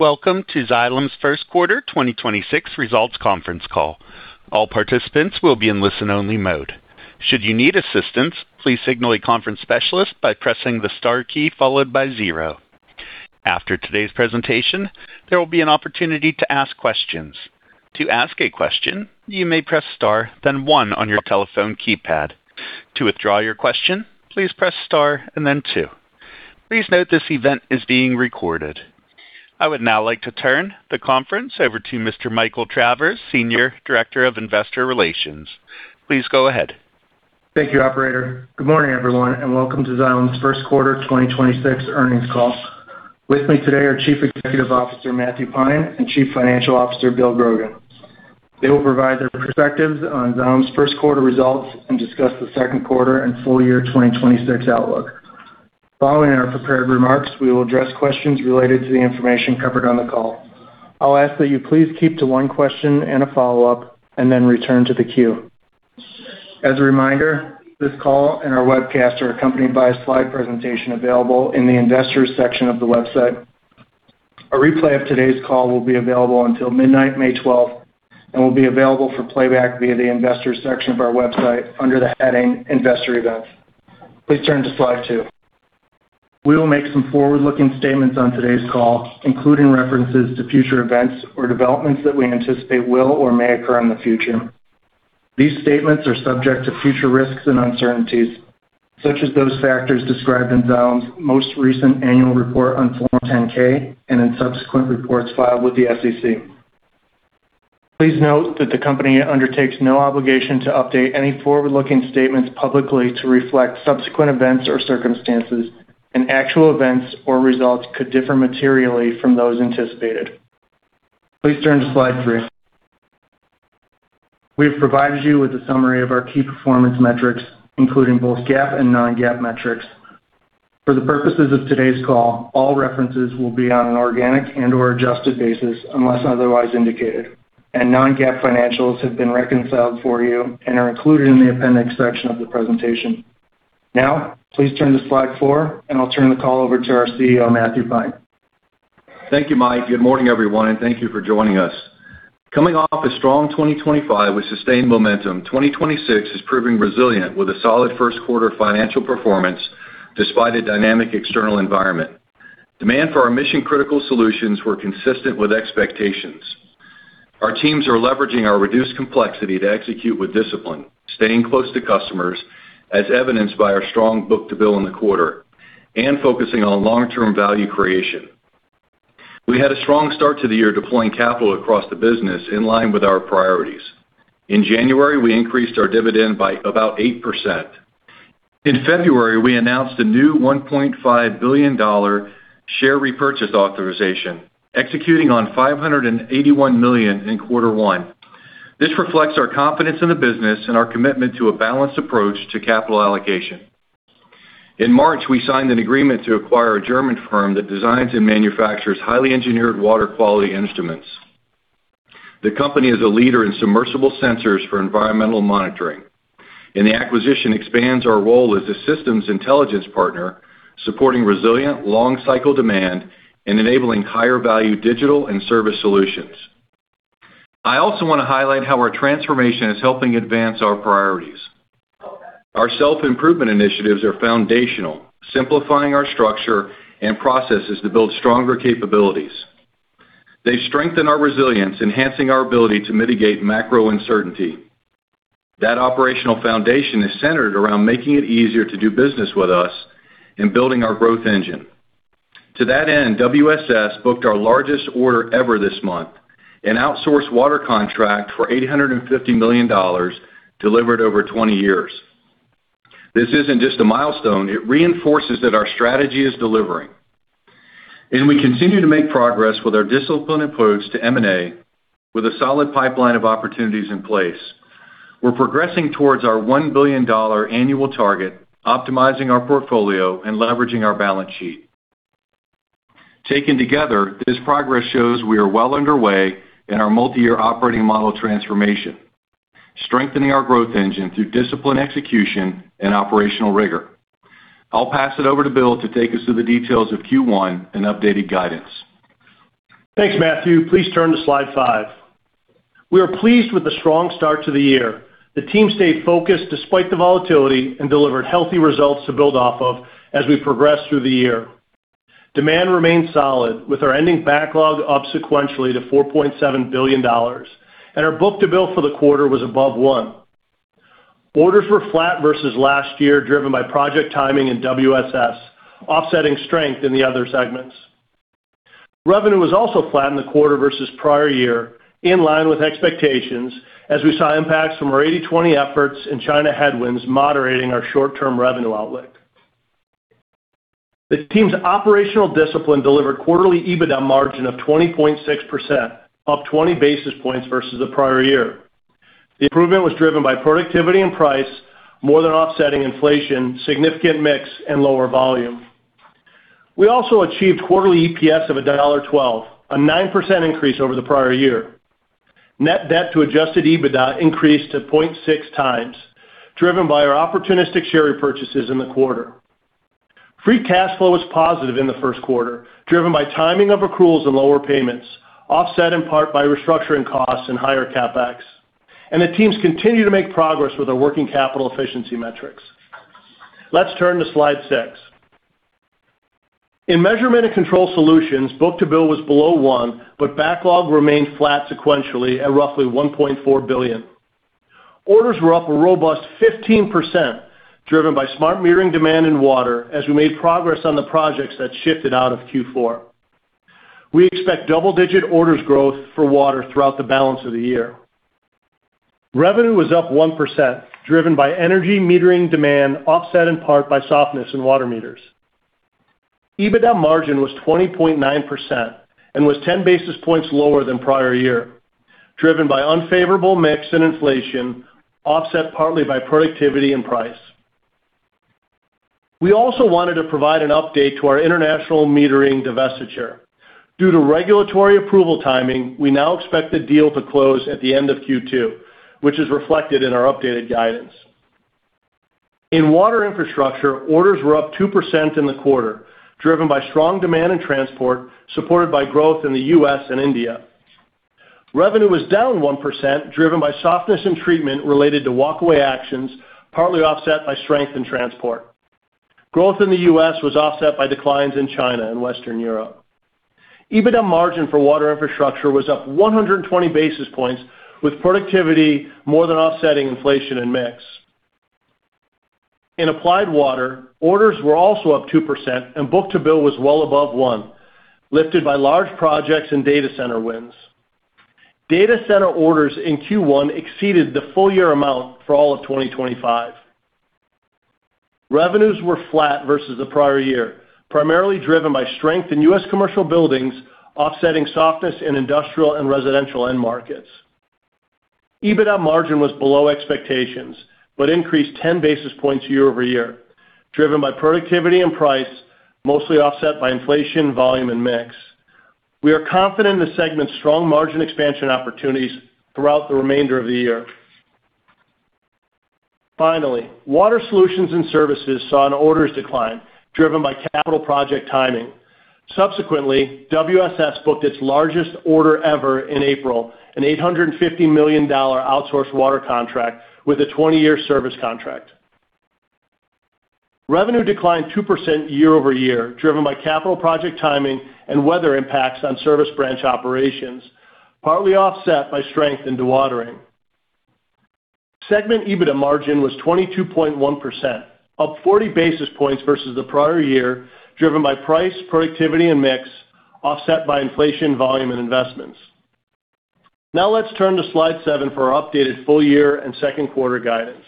Welcome to Xylem's First Quarter 2026 Results Conference Call. All participants will be in listen-only mode. Should you need assistance please signal a conference specialist by pressing the star key followed by zero. After today's presentation, there will be an opportunity to ask questions. To ask a question you may press star then one on your telephone keypad. To withdraw your question please press star and then two. Please note this event is being recorded. I would now like to turn the conference over to Mr. Michael Travers, Senior Director of Investor Relations. Please go ahead. Thank you, operator. Good morning, everyone, and welcome to Xylem's First Quarter 2026 Earnings Call. With me today are Chief Executive Officer, Matthew Pine, and Chief Financial Officer, Bill Grogan. They will provide their perspectives on Xylem's first quarter results and discuss the second quarter and full year 2026 outlook. Following our prepared remarks, we will address questions related to the information covered on the call. I'll ask that you please keep to one question and a follow-up, and then return to the queue. As a reminder, this call and our webcast are accompanied by a slide presentation available in the Investors section of the website. A replay of today's call will be available until midnight, May 12th, and will be available for playback via the Investors section of our website under the heading Investor Events. Please turn to slide two. We will make some forward-looking statements on today's call, including references to future events or developments that we anticipate will or may occur in the future. These statements are subject to future risks and uncertainties, such as those factors described in Xylem's most recent annual report on Form 10-K and in subsequent reports filed with the SEC. Please note that the company undertakes no obligation to update any forward-looking statements publicly to reflect subsequent events or circumstances, and actual events or results could differ materially from those anticipated. Please turn to slide three. We have provided you with a summary of our key performance metrics, including both GAAP and non-GAAP metrics. For the purposes of today's call, all references will be on an organic and/or adjusted basis unless otherwise indicated, and non-GAAP financials have been reconciled for you and are included in the appendix section of the presentation. Now, please turn to slide four, and I'll turn the call over to our CEO, Matthew Pine. Thank you, Mike. Good morning, everyone, and thank you for joining us. Coming off a strong 2025 with sustained momentum, 2026 is proving resilient with a solid first quarter financial performance despite a dynamic external environment. Demand for our mission-critical solutions were consistent with expectations. Our teams are leveraging our reduced complexity to execute with discipline, staying close to customers, as evidenced by our strong book-to-bill in the quarter, and focusing on long-term value creation. We had a strong start to the year deploying capital across the business in line with our priorities. In January, we increased our dividend by about 8%. In February, we announced a new $1.5 billion share repurchase authorization, executing on $581 million in quarter one. This reflects our confidence in the business and our commitment to a balanced approach to capital allocation. In March, we signed an agreement to acquire a German firm that designs and manufactures highly engineered water quality instruments. The company is a leader in submersible sensors for environmental monitoring, and the acquisition expands our role as a systems intelligence partner, supporting resilient long-cycle demand and enabling higher value digital and service solutions. I also want to highlight how our transformation is helping advance our priorities. Our self-improvement initiatives are foundational, simplifying our structure and processes to build stronger capabilities. They strengthen our resilience, enhancing our ability to mitigate macro uncertainty. That operational foundation is centered around making it easier to do business with us and building our growth engine. To that end, WSS booked our largest order ever this month, an outsourced water contract for $850 million delivered over 20 years. This isn't just a milestone, it reinforces that our strategy is delivering. We continue to make progress with our disciplined approach to M&A with a solid pipeline of opportunities in place. We're progressing towards our $1 billion annual target, optimizing our portfolio and leveraging our balance sheet. Taken together, this progress shows we are well underway in our multi-year operating model transformation, strengthening our growth engine through disciplined execution and operational rigor. I'll pass it over to Bill to take us through the details of Q1 and updated guidance. Thanks, Matthew. Please turn to slide five. We are pleased with the strong start to the year. The team stayed focused despite the volatility and delivered healthy results to build off of as we progress through the year. Demand remained solid with our ending backlog up sequentially to $4.7 billion, and our book-to-bill for the quarter was above one. Orders were flat versus last year, driven by project timing in WSS, offsetting strength in the other segments. Revenue was also flat in the quarter versus prior year, in line with expectations as we saw impacts from our 80/20 efforts and China headwinds moderating our short-term revenue outlook. The team's operational discipline delivered quarterly EBITDA margin of 20.6%, up 20 basis points versus the prior year. The improvement was driven by productivity and price more than offsetting inflation, significant mix, and lower volume. We also achieved quarterly EPS of $1.12, a 9% increase over the prior year. Net debt to adjusted EBITDA increased to 0.6 times, driven by our opportunistic share repurchases in the quarter. Free cash flow was positive in the first quarter, driven by timing of accruals and lower payments, offset in part by restructuring costs and higher CapEx. The teams continue to make progress with their working capital efficiency metrics. Let's turn to slide six. In Measurement & Control Solutions, book-to-bill was below one, but backlog remained flat sequentially at roughly $1.4 billion. Orders were up a robust 15%, driven by smart metering demand in water as we made progress on the projects that shifted out of Q4. We expect double-digit orders growth for water throughout the balance of the year. Revenue was up 1%, driven by energy metering demand, offset in part by softness in water meters. EBITDA margin was 20.9% and was 10 basis points lower than prior year, driven by unfavorable mix and inflation, offset partly by productivity and price. We also wanted to provide an update to our international metering divestiture. Due to regulatory approval timing, we now expect the deal to close at the end of Q2, which is reflected in our updated guidance. In Water Infrastructure, orders were up 2% in the quarter, driven by strong demand in transport, supported by growth in the U.S. and India. Revenue was down 1%, driven by softness in treatment related to walkaway actions, partly offset by strength in transport. Growth in the U.S. was offset by declines in China and Western Europe. EBITDA margin for Water Infrastructure was up 120 basis points, with productivity more than offsetting inflation and mix. In Applied Water, orders were also up 2%, and book-to-bill was well above one, lifted by large projects and data center wins. Data center orders in Q1 exceeded the full year amount for all of 2025. Revenues were flat versus the prior year, primarily driven by strength in U.S. commercial buildings, offsetting softness in industrial and residential end markets. EBITDA margin was below expectations but increased 10 basis points year-over-year, driven by productivity and price, mostly offset by inflation, volume, and mix. We are confident in the segment's strong margin expansion opportunities throughout the remainder of the year. Finally, Water Solutions and Services saw an orders decline driven by capital project timing. Subsequently, WSS booked its largest order ever in April, an $850 million outsourced water contract with a 20-year service contract. Revenue declined 2% year-over-year, driven by capital project timing and weather impacts on service branch operations, partly offset by strength in dewatering. Segment EBITDA margin was 22.1%, up 40 basis points versus the prior year, driven by price, productivity, and mix, offset by inflation, volume, and investments. Let's turn to slide seven for our updated full year and second quarter guidance.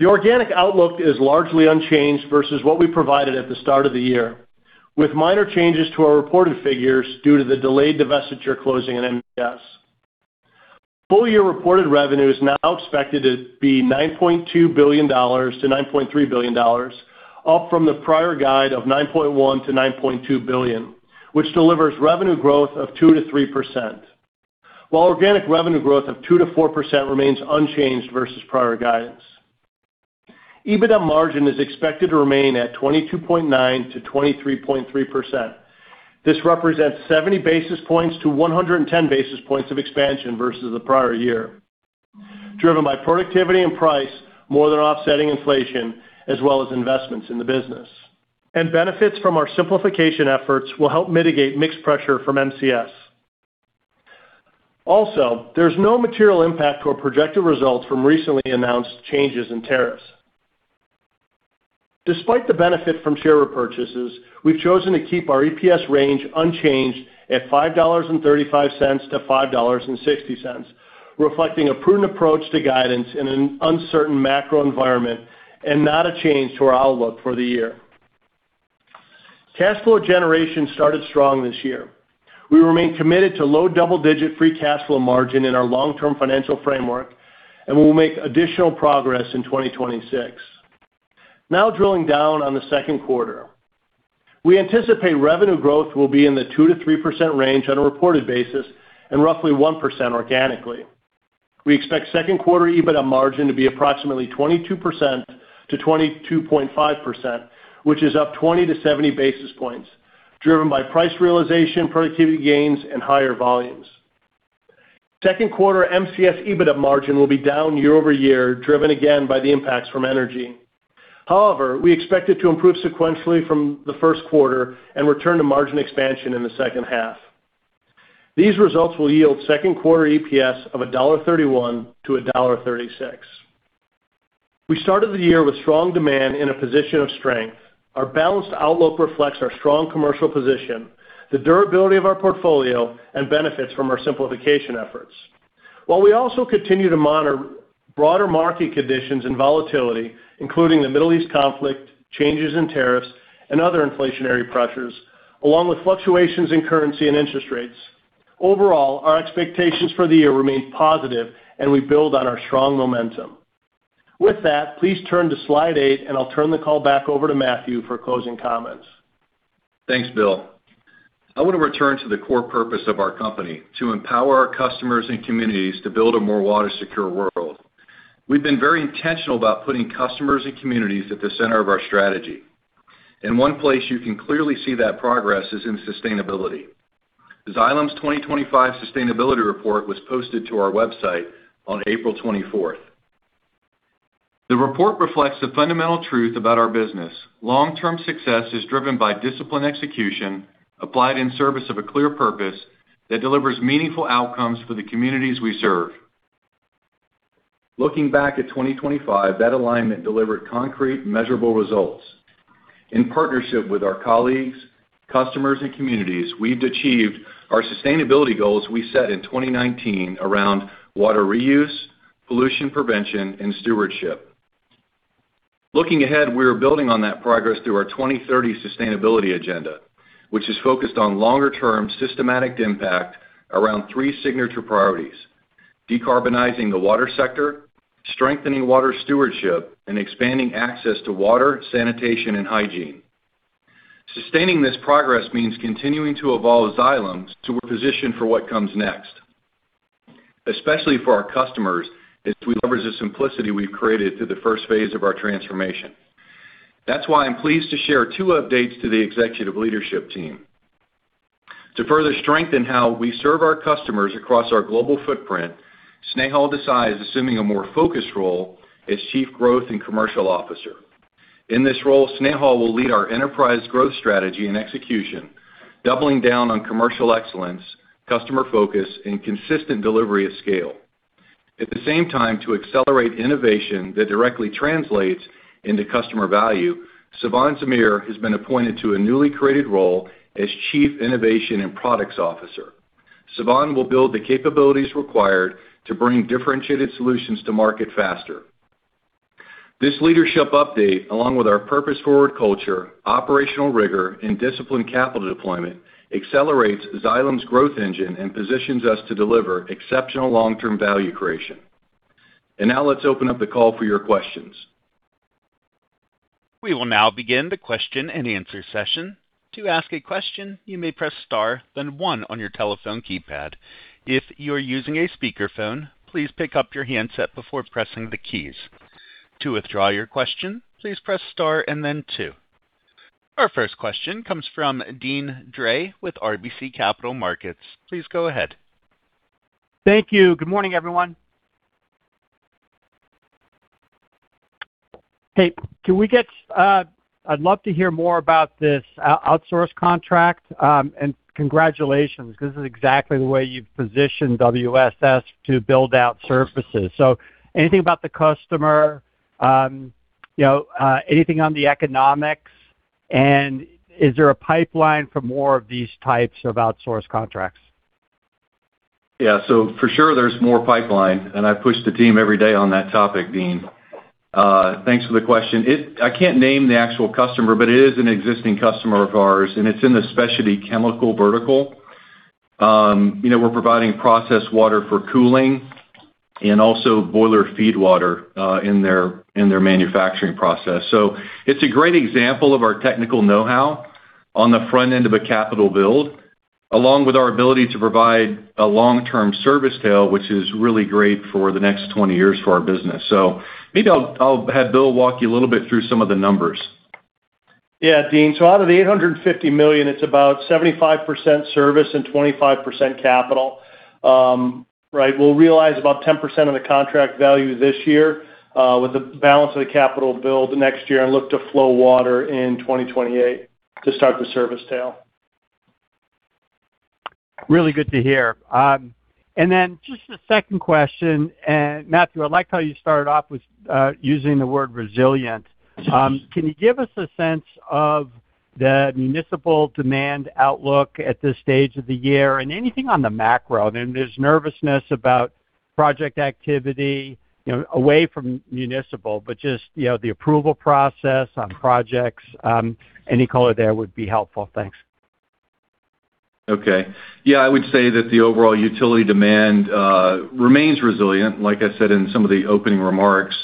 The organic outlook is largely unchanged versus what we provided at the start of the year, with minor changes to our reported figures due to the delayed divestiture closing in MCS. Full year reported revenue is now expected to be $9.2 billion-$9.3 billion, up from the prior guide of $9.1 billion-$9.2 billion, which delivers revenue growth of 2%-3%. While organic revenue growth of 2%-4% remains unchanged versus prior guidance. EBITDA margin is expected to remain at 22.9%-23.3%. This represents 70 basis points to 110 basis points of expansion versus the prior year, driven by productivity and price more than offsetting inflation as well as investments in the business. Benefits from our simplification efforts will help mitigate mix pressure from MCS. There's no material impact to our projected results from recently announced changes in tariffs. Despite the benefit from share repurchases, we've chosen to keep our EPS range unchanged at $5.35-$5.60, reflecting a prudent approach to guidance in an uncertain macro environment and not a change to our outlook for the year. Cash flow generation started strong this year. We remain committed to low double-digit free cash flow margin in our long-term financial framework. We'll make additional progress in 2026. Drilling down on the second quarter. We anticipate revenue growth will be in the 2%-3% range on a reported basis and roughly 1% organically. We expect second quarter EBITDA margin to be approximately 22%-22.5%, which is up 20 to 70 basis points, driven by price realization, productivity gains, and higher volumes. Second quarter MCS EBITDA margin will be down year-over-year, driven again by the impacts from energy. We expect it to improve sequentially from the first quarter and return to margin expansion in the second half. These results will yield second quarter EPS of $1.31-$1.36. We started the year with strong demand in a position of strength. Our balanced outlook reflects our strong commercial position, the durability of our portfolio, and benefits from our simplification efforts. While we also continue to monitor broader market conditions and volatility, including the Middle East conflict, changes in tariffs, and other inflationary pressures, along with fluctuations in currency and interest rates, overall, our expectations for the year remain positive, and we build on our strong momentum. Please turn to slide eight, and I'll turn the call back over to Matthew for closing comments. Thanks, Bill. I want to return to the core purpose of our company, to empower our customers and communities to build a more water-secure world. We've been very intentional about putting customers and communities at the center of our strategy. In one place, you can clearly see that progress is in sustainability. Xylem's 2025 sustainability report was posted to our website on April 24th. The report reflects the fundamental truth about our business. Long-term success is driven by disciplined execution applied in service of a clear purpose that delivers meaningful outcomes for the communities we serve. Looking back at 2025, that alignment delivered concrete, measurable results. In partnership with our colleagues, customers, and communities, we've achieved our sustainability goals we set in 2019 around water reuse, pollution prevention, and stewardship. Looking ahead, we're building on that progress through our 2030 sustainability agenda, which is focused on longer-term systematic impact around three signature priorities: decarbonizing the water sector, strengthening water stewardship, and expanding access to water, sanitation, and hygiene. Sustaining this progress means continuing to evolve Xylem to a position for what comes next, especially for our customers as we leverage the simplicity we've created through the first phase of our transformation. That's why I'm pleased to share two updates to the executive leadership team. To further strengthen how we serve our customers across our global footprint, Snehal Desai is assuming a more focused role as Chief Growth and Commercial Officer. In this role, Snehal will lead our enterprise growth strategy and execution, doubling down on commercial excellence, customer focus, and consistent delivery of scale. At the same time, to accelerate innovation that directly translates into customer value, Sivan Zamir has been appointed to a newly created role as Chief Innovation and Products Officer. Sivan will build the capabilities required to bring differentiated solutions to market faster. This leadership update, along with our purpose-forward culture, operational rigor, and disciplined capital deployment, accelerates Xylem's growth engine and positions us to deliver exceptional long-term value creation. Now let's open up the call for your questions. We will now begin the question-and-answer session. To ask a question, you may press star, then one on your telephone keypad. If you are using a speakerphone, please pick up your handset before pressing the keys. To withdraw your question, please press star and then two. Our first question comes from Deane Dray with RBC Capital Markets. Please go ahead. Thank you. Good morning, everyone. Hey, I'd love to hear more about this outsource contract. Congratulations. This is exactly the way you've positioned WSS to build out services. Anything about the customer, you know, anything on the economics, and is there a pipeline for more of these types of outsourced contracts? For sure, there's more pipeline, and I push the team every day on that topic, Deane. Thanks for the question. I can't name the actual customer, but it is an existing customer of ours, and it's in the specialty chemical vertical. You know, we're providing processed water for cooling and also boiler feed water in their manufacturing process. It's a great example of our technical know-how on the front end of a capital build, along with our ability to provide a long-term service tail, which is really great for the next 20 years for our business. Maybe I'll have Bill walk you a little bit through some of the numbers. Deane. Out of the $850 million, it's about 75% service and 25% capital. right, we'll realize about 10% of the contract value this year, with the balance of the capital bill the next year and look to flow water in 2028 to start the service tail. Really good to hear. Then just a second question, Matt, I liked how you started off with using the word resilient. Can you give us a sense of the municipal demand outlook at this stage of the year and anything on the macro? I mean, there's nervousness about project activity, you know, away from municipal, but just, you know, the approval process on projects. Any color there would be helpful. Thanks. Okay. Yeah, I would say that the overall utility demand remains resilient, like I said in some of the opening remarks.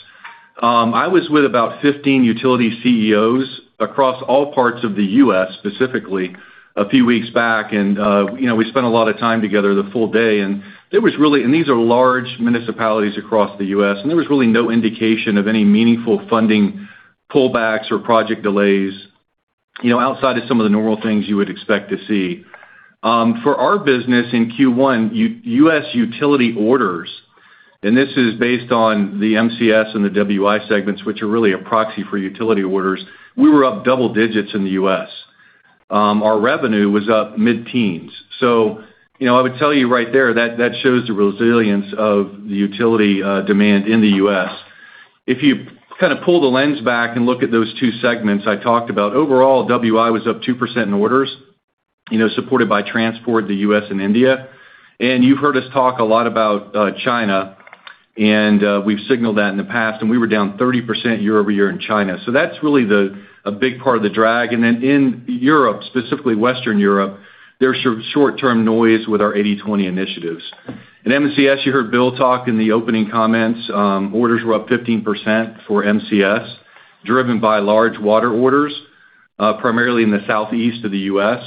I was with about 15 utility CEOs across all parts of the U.S., specifically a few weeks back, and, you know, we spent a lot of time together, the full day, and these are large municipalities across the U.S., and there was really no indication of any meaningful funding pullbacks or project delays, you know, outside of some of the normal things you would expect to see. For our business in Q1, U.S. utility orders, and this is based on the MCS and the WI segments, which are really a proxy for utility orders, we were up double digits in the U.S. Our revenue was up mid-teens. You know, I would tell you right there that shows the resilience of the utility demand in the U.S. If you kinda pull the lens back and look at those two segments I talked about, overall, WI was up 2% in orders, you know, supported by transport, the U.S. and India. You've heard us talk a lot about China, and we've signaled that in the past, and we were down 30% year-over-year in China. That's really a big part of the drag. In Europe, specifically Western Europe, there's sort of short-term noise with our 80/20 initiatives. In MCS, you heard Bill talk in the opening comments, orders were up 15% for MCS, driven by large water orders. Primarily in the Southeast of the U.S.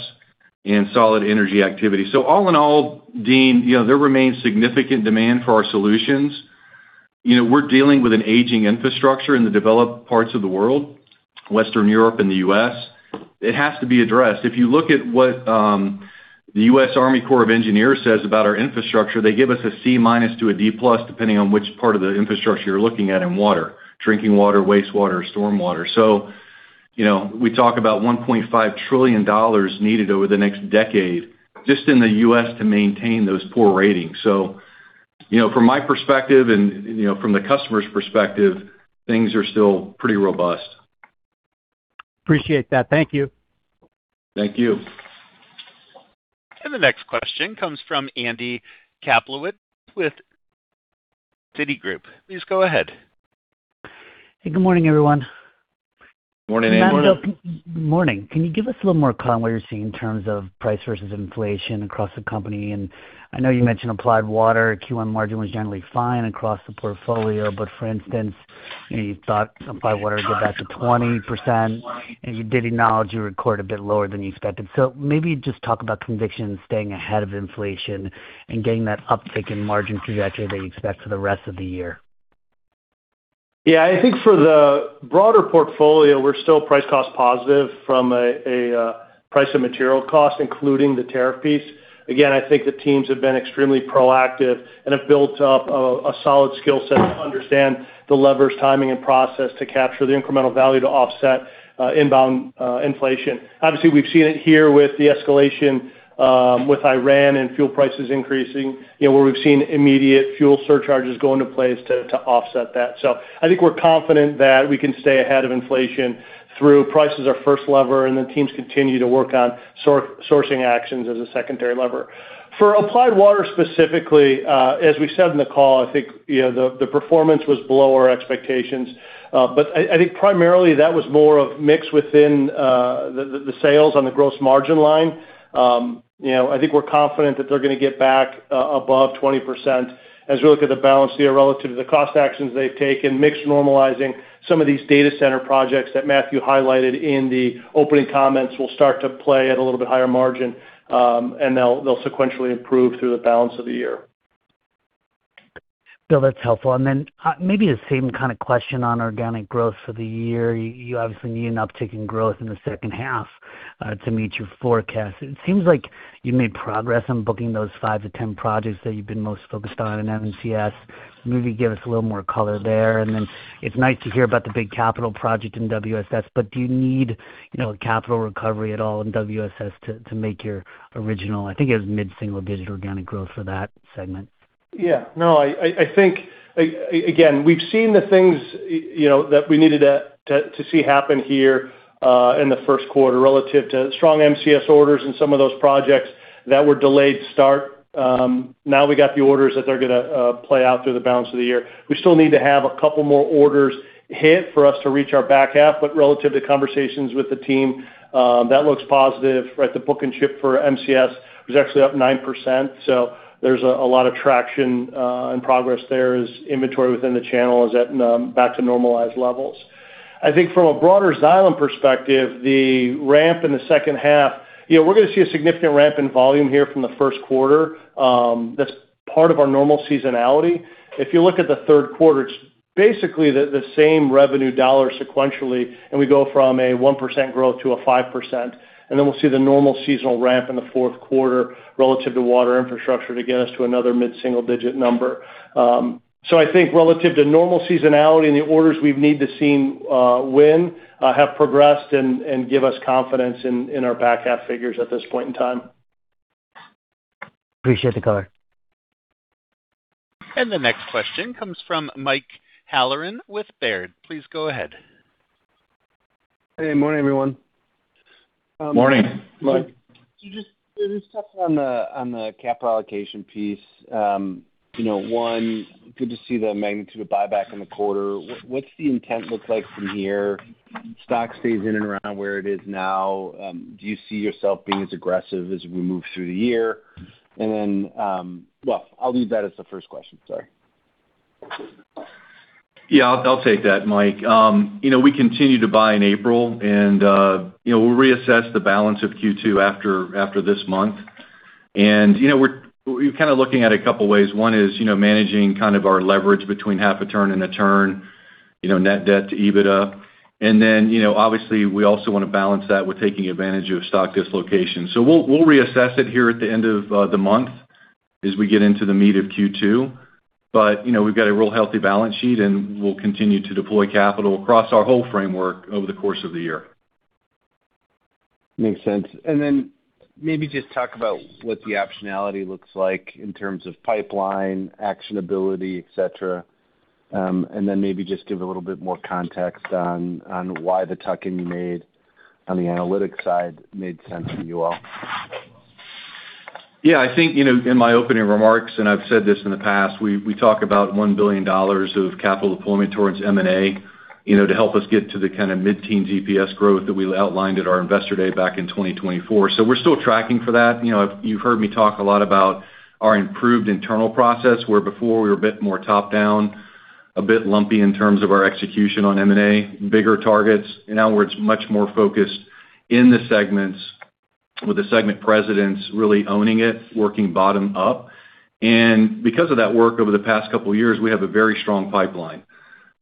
and solid energy activity. All in all, Deane, you know, there remains significant demand for our solutions. You know, we're dealing with an aging infrastructure in the developed parts of the world, Western Europe and the U.S. It has to be addressed. If you look at what the United States Army Corps of Engineers says about our infrastructure, they give us a C- to a D+ depending on which part of the infrastructure you're looking at in water: drinking water, wastewater, storm water. You know, we talk about $1.5 trillion needed over the next decade just in the U.S. to maintain those poor ratings. You know, from my perspective and, you know, from the customer's perspective, things are still pretty robust. Appreciate that. Thank you. Thank you. The next question comes from Andy Kaplowitz with Citigroup. Please go ahead. Hey, good morning, everyone. Morning, Andy. Matthew, morning. Can you give us a little more color on what you're seeing in terms of price versus inflation across the company? I know you mentioned Applied Water, Q1 margin was generally fine across the portfolio, but for instance, you know, you thought Applied Water get back to 20%, and you did acknowledge you record a bit lower than you expected. Maybe just talk about conviction staying ahead of inflation and getting that uptick in margin trajectory that you expect for the rest of the year. Yeah. I think for the broader portfolio, we're still price cost positive from a price of material cost, including the tariff piece. I think the teams have been extremely proactive and have built up a solid skill set to understand the levers, timing, and process to capture the incremental value to offset inbound inflation. We've seen it here with the escalation with Iran and fuel prices increasing, you know, where we've seen immediate fuel surcharges go into place to offset that. I think we're confident that we can stay ahead of inflation through price as our first lever, and then teams continue to work on sourcing actions as a secondary lever. For Applied Water specifically, as we said in the call, I think, you know, the performance was below our expectations. I think primarily that was more of mix within the sales on the gross margin line. You know, I think we're confident that they're gonna get back above 20% as we look at the balance here relative to the cost actions they've taken, mix normalizing some of these data center projects that Matthew highlighted in the opening comments will start to play at a little bit higher margin, and they'll sequentially improve through the balance of the year. Bill, that's helpful. Then, maybe the same kind of question on organic growth for the year. You obviously need an uptick in growth in the second half to meet your forecast. It seems like you made progress on booking those five to 10 projects that you've been most focused on in MCS. Maybe give us a little more color there. Then it's nice to hear about the big capital project in WSS, but do you need, you know, capital recovery at all in WSS to make your original, I think it was mid-single-digit organic growth for that segment? No, I think, again, we've seen the things, you know, that we needed to see happen here in the first quarter relative to strong MCS orders and some of those projects that were delayed start. Now we got the orders that they're going to play out through the balance of the year. We still need to have two more orders hit for us to reach our back half, relative to conversations with the team, that looks positive. Right, the book and ship for MCS was actually up 9%, there's a lot of traction and progress there as inventory within the channel is back to normalized levels. I think from a broader Xylem perspective, the ramp in the second half, you know, we're going to see a significant ramp in volume here from the first quarter. That's part of our normal seasonality. If you look at the third quarter, it's basically the same revenue dollar sequentially, and we go from a 1% growth to a 5%. We'll see the normal seasonal ramp in the fourth quarter relative to Water Infrastructure to get us to another mid-single-digit number. I think relative to normal seasonality and the orders we've needed to see and have progressed and give us confidence in our back half figures at this point in time. Appreciate the color. The next question comes from Mike Halloran with Baird. Please go ahead. Hey, morning, everyone. Morning. Can you just touch on the capital allocation piece. you know, one, good to see the magnitude of buyback in the quarter. What's the intent look like from here? Stock stays in and around where it is now. Do you see yourself being as aggressive as we move through the year? Well, I'll leave that as the first question, sorry. Yeah, I'll take that, Mike. You know, we continue to buy in April and, you know, we'll reassess the balance of Q2 after this month. You know, we're kind of looking at a couple ways. One is, you know, managing kind of our leverage between half a turn and a turn, you know, net debt to EBITDA. You know, obviously, we also wanna balance that with taking advantage of stock dislocation. We'll reassess it here at the end of the month as we get into the meat of Q2. You know, we've got a real healthy balance sheet, and we'll continue to deploy capital across our whole framework over the course of the year. Makes sense. Maybe just talk about what the optionality looks like in terms of pipeline, actionability, et cetera. Maybe just give a little bit more context on why the tuck-in you made on the analytics side made sense for you all. I think, you know, in my opening remarks, and I've said this in the past, we talk about $1 billion of capital deployment towards M&A, you know, to help us get to the kind of mid-teen EPS growth that we outlined at our Investor Day back in 2024. We're still tracking for that. You know, you've heard me talk a lot about our improved internal process, where before we were a bit more top-down. A bit lumpy in terms of our execution on M&A, bigger targets. Now we're much more focused in the segments with the segment presidents really owning it, working bottom up. Because of that work over the past couple of years, we have a very strong pipeline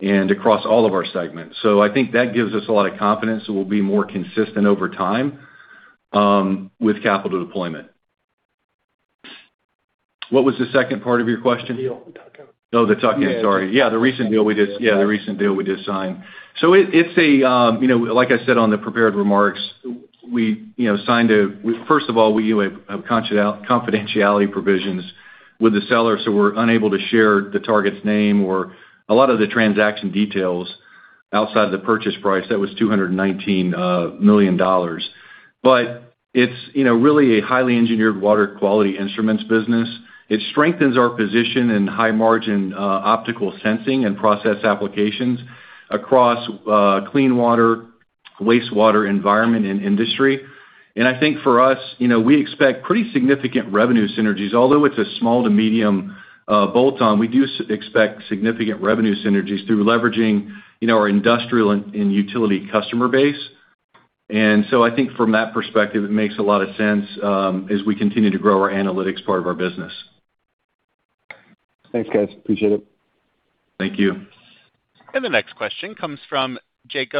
and across all of our segments. I think that gives us a lot of confidence that we'll be more consistent over time with capital deployment. What was the second part of your question? The deal with tuck-in. Oh, the Tucker. Sorry. Yeah, the recent deal we just signed. It's a, you know, like I said on the prepared remarks, first of all, we have confidentiality provisions with the seller, so we're unable to share the target's name or a lot of the transaction details outside the purchase price. That was $219 million. It's, you know, really a highly engineered water quality instruments business. It strengthens our position in high margin, optical sensing and process applications across clean water, wastewater environment and industry. I think for us, you know, we expect pretty significant revenue synergies. Although it's a small to medium bolt-on, we do expect significant revenue synergies through leveraging, you know, our industrial and utility customer base. I think from that perspective, it makes a lot of sense, as we continue to grow our analytics part of our business. Thanks, guys. Appreciate it. Thank you. The next question comes from Jake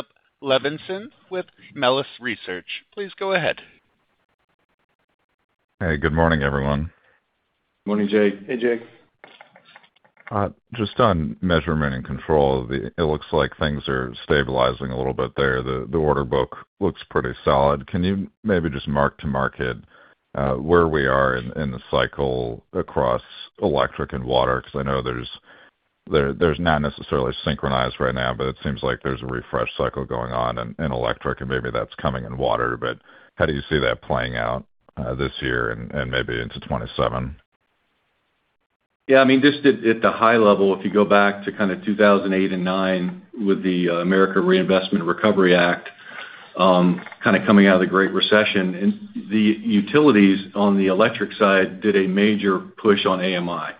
Levinson with Melius Research. Please go ahead. Hey, good morning, everyone. Morning, Jake. Hey, Jake. Just on Measurement & Control, it looks like things are stabilizing a little bit there. The order book looks pretty solid. Can you maybe just mark to market where we are in the cycle across electric and water? 'Cause I know they're not necessarily synchronized right now, but it seems like there's a refresh cycle going on in electric, and maybe that's coming in water. How do you see that playing out this year and maybe into 2027? I mean, just at the high level, if you go back to kind of 2008 and 2009 with the American Recovery and Reinvestment Act, coming out of the Great Recession, the utilities on the electric side did a major push on AMI.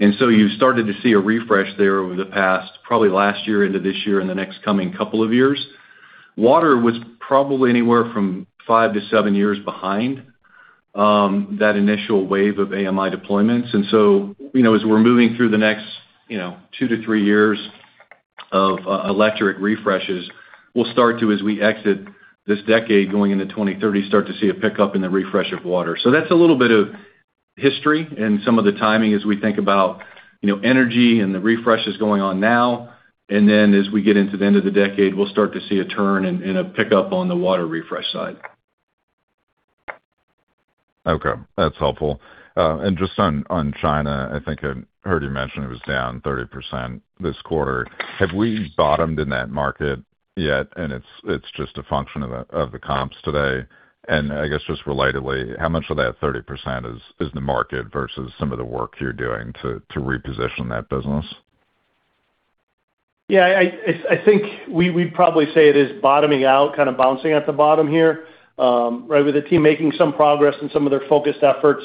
You started to see a refresh there over the past, probably last year into this year and the next coming couple of years. Water was probably anywhere from five to seven years behind that initial wave of AMI deployments. You know, as we're moving through the next, you know, two to three years of electric refreshes, we'll start to, as we exit this decade going into 2030, start to see a pickup in the refresh of water. That's a little bit of history and some of the timing as we think about, you know, energy and the refreshes going on now. As we get into the end of the decade, we'll start to see a turn and a pickup on the water refresh side. Okay. That's helpful. Just on China, I think I heard you mention it was down 30% this quarter. Have we bottomed in that market yet and it's just a function of the, of the comps today? I guess just relatedly, how much of that 30% is the market versus some of the work you're doing to reposition that business? I think we'd probably say it is bottoming out, kind of bouncing at the bottom here, right, with the team making some progress in some of their focused efforts,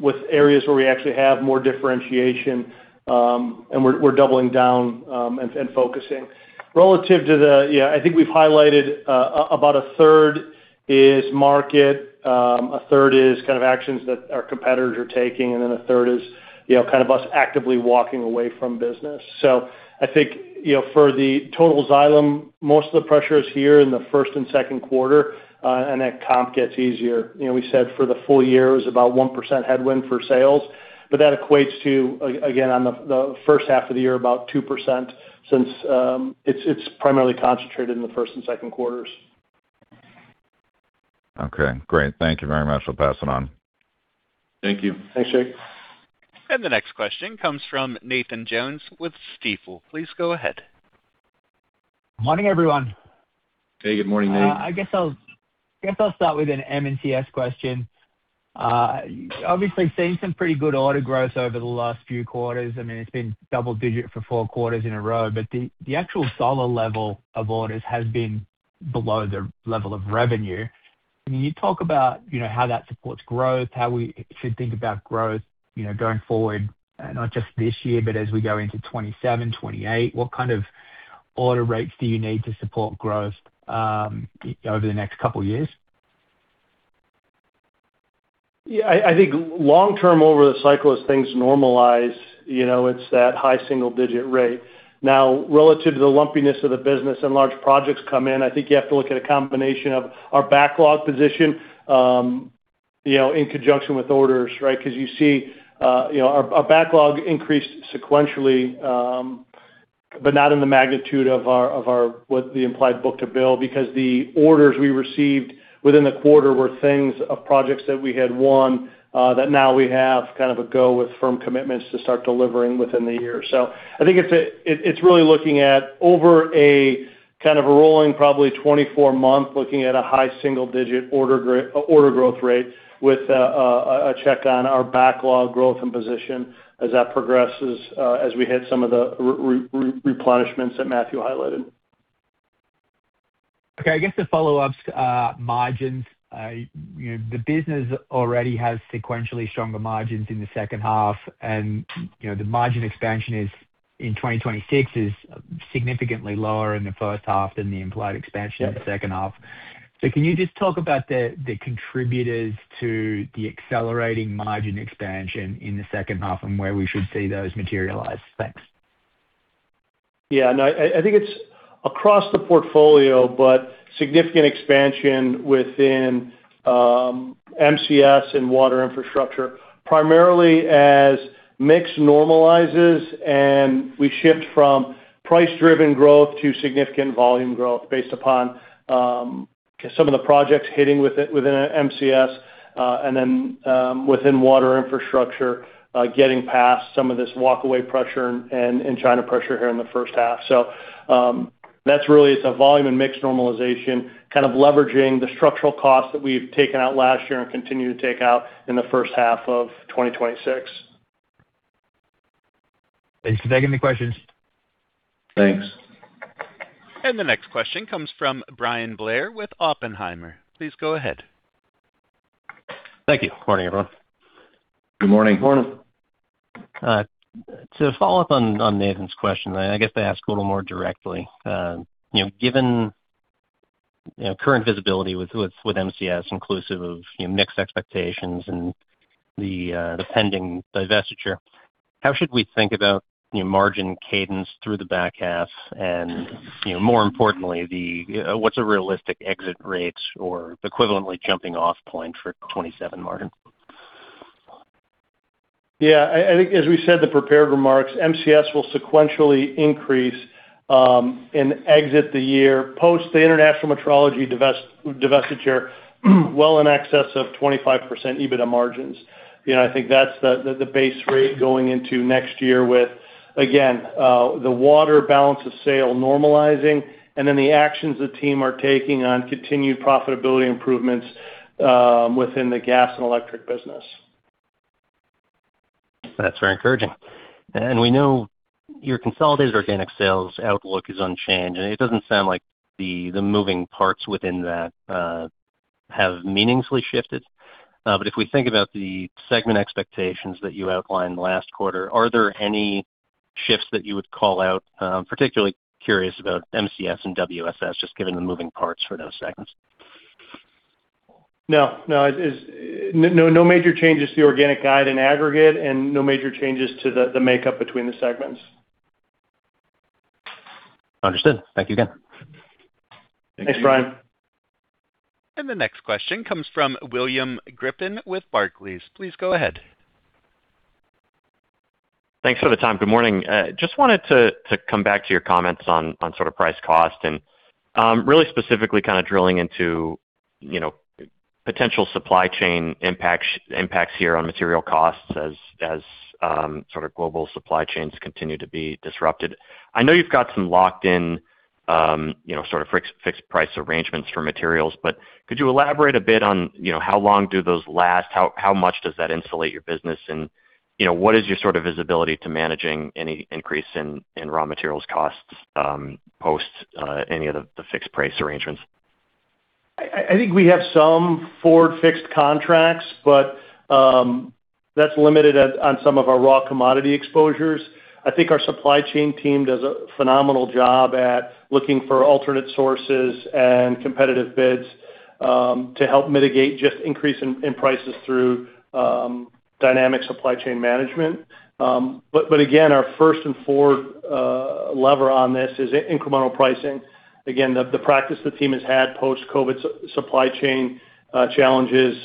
with areas where we actually have more differentiation, and we're doubling down and focusing. I think we've highlighted about a third is market, a third is kind of actions that our competitors are taking, and then a third is, you know, kind of us actively walking away from business. I think, you know, for the total Xylem, most of the pressure is here in the first and second quarter, that comp gets easier. You know, we said for the full year it was about 1% headwind for sales, but that equates to, again, on the first half of the year, about 2% since it's primarily concentrated in the first and second quarters. Okay, great. Thank you very much. I'll pass it on. Thank you. Thanks, Jake. The next question comes from Nathan Jones with Stifel. Please go ahead. Morning, everyone. Hey, good morning, Nate. I guess I'll start with an MCS question. Obviously seen some pretty good order growth over the last few quarters. I mean, it's been double digit for four quarters in a row. The actual dollar level of orders has been below the level of revenue. Can you talk about, you know, how that supports growth, how we should think about growth, you know, going forward, not just this year, but as we go into 2027, 2028? What kind of order rates do you need to support growth over the next couple of years? Yeah, I think long term over the cycle as things normalize, you know, it's that high single-digit rate. Relative to the lumpiness of the business and large projects come in, I think you have to look at a combination of our backlog position, you know, in conjunction with orders, right? 'Cause you see, you know, our backlog increased sequentially, but not in the magnitude of what the implied book-to-bill, because the orders we received within the quarter were things of projects that we had won, that now we have kind of a go with firm commitments to start delivering within the year. I think it's really looking at over a kind of a rolling probably 24 month, looking at a high single digit order growth rate with a check on our backlog growth and position as that progresses, as we hit some of the replenishments that Matthew highlighted. Okay. I guess the follow-ups are margins. You know, the business already has sequentially stronger margins in the second half, and, you know, the margin expansion is, in 2026 is significantly lower in the first half than the implied expansion in the second half. Can you just talk about the contributors to the accelerating margin expansion in the second half and where we should see those materialize? Thanks. Yeah. No, I think it's across the portfolio, but significant expansion within MCS and Water Infrastructure, primarily as mix normalizes and we shift from price-driven growth to significant volume growth based upon some of the projects hitting with it within MCS, and then within Water Infrastructure, getting past some of this walkaway pressure and China pressure here in the first half. That's really a volume and mix normalization, kind of leveraging the structural costs that we've taken out last year and continue to take out in the first half of 2026. Thanks for taking the questions. Thanks. The next question comes from Bryan Blair with Oppenheimer. Please go ahead. Thank you. Morning, everyone. Good morning. Morning. To follow up on Nathan's question, I guess to ask a little more directly, you know, given, you know, current visibility with MCS inclusive of, you know, mixed expectations and the pending divestiture, how should we think about, you know, margin cadence through the back half? And, you know, more importantly, the, what's a realistic exit rates or equivalently jumping off point for 2027 margin? I think as we said in the prepared remarks, MCS will sequentially increase, and exit the year post the international metering divestiture well in excess of 25% EBITDA margins. You know, I think that's the base rate going into next year with, again, the water balance of sale normalizing and then the actions the team are taking on continued profitability improvements within the gas and electric business. That's very encouraging. We know your consolidated organic sales outlook is unchanged, and it doesn't sound like the moving parts within that have meaningfully shifted. If we think about the segment expectations that you outlined last quarter, are there any shifts that you would call out? Particularly curious about MCS and WSS, just given the moving parts for those segments. No. No. It is no major changes to the organic guide in aggregate, and no major changes to the makeup between the segments. Understood. Thank you again. Thanks, Bryan. The next question comes from William Griffin with Barclays. Please go ahead. Thanks for the time. Good morning. Just wanted to come back to your comments on sort of price cost and really specifically kind of drilling into, you know, potential supply chain impacts here on material costs as global supply chains continue to be disrupted. I know you've got some locked in, you know, sort of fixed price arrangements for materials, but could you elaborate a bit on, you know, how long do those last? How much does that insulate your business? You know, what is your sort of visibility to managing any increase in raw materials costs post any of the fixed price arrangements? I think we have some forward fixed contracts, but that's limited on some of our raw commodity exposures. I think our supply chain team does a phenomenal job at looking for alternate sources and competitive bids to help mitigate just increase in prices through dynamic supply chain management. Again, our first and forward lever on this is incremental pricing. Again, the practice the team has had post-COVID supply chain challenges,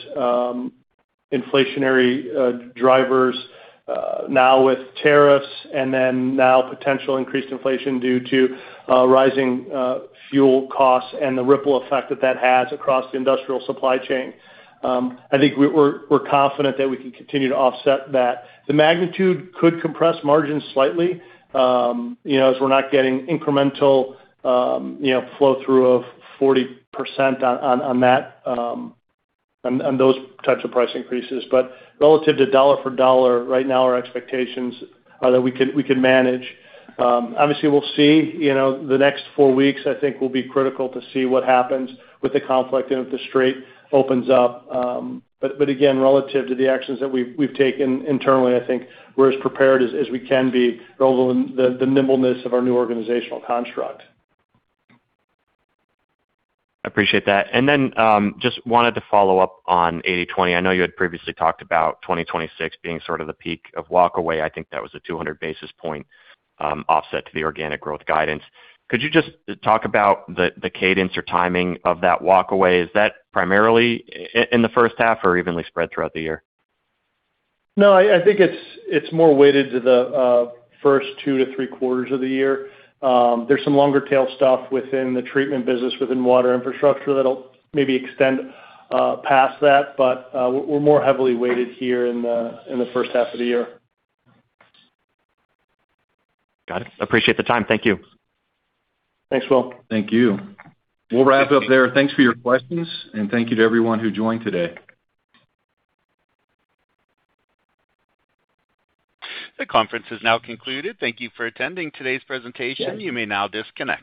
inflationary drivers, now with tariffs and then now potential increased inflation due to rising fuel costs and the ripple effect that that has across the industrial supply chain. I think we're confident that we can continue to offset that. The magnitude could compress margins slightly, as we're not getting incremental flow through of 40% on that, on those types of price increases. Relative to dollar for dollar, right now our expectations are that we could manage. Obviously we'll see, the next four weeks, I think, will be critical to see what happens with the conflict and if the strait opens up. Again, relative to the actions that we've taken internally, I think we're as prepared as we can be relative in the nimbleness of our new organizational construct. I appreciate that. Just wanted to follow up on 80/20. I know you had previously talked about 2026 being sort of the peak of walk away. I think that was a 200 basis point offset to the organic growth guidance. Could you just talk about the cadence or timing of that walk away? Is that primarily in the first half or evenly spread throughout the year? No, I think it's more weighted to the first two to three quarters of the year. There's some longer tail stuff within the treatment business within Water Infrastructure that'll maybe extend past that. We're more heavily weighted here in the first half of the year. Got it. I appreciate the time. Thank you. Thanks, Will. Thank you. We'll wrap up there. Thanks for your questions, and thank you to everyone who joined today. The conference is now concluded. Thank you for attending today's presentation. You may now disconnect.